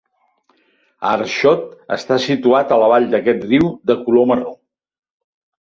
Aarschot està situat a la vall d'aquest riu de color marró.